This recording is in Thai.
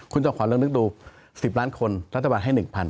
คุณจอมขอลองนึกดู๑๐ล้านคนรัฐบาลให้หนึ่งพัน